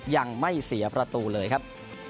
ยังไม่เสียประตูเลยครับ